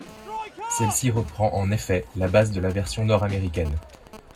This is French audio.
Celle-ci reprend en effet la base de la version nord-américaine.